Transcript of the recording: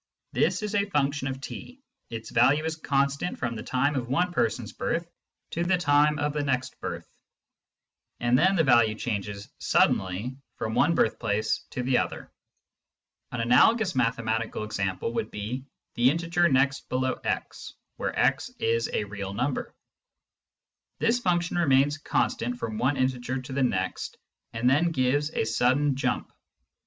This is a function of t ; its value is constant from the time of one person's birth to the time of the next birth, and then the value changes suddenly from one birthplace to the other. An analogous mathematical example would be " the integer next below x," where x is a real number. This function remains constant from one integer to the next, and then gives a sudden jump.